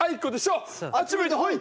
あっち向いてホイ。